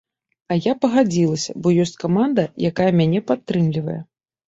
А я пагадзілася, бо ёсць каманда, якая мяне падтрымлівае.